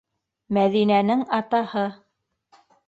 Мәҙинәнең атаһы.